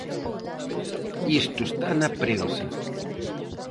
Isto está na prensa.